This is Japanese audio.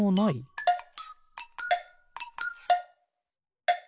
ピッ！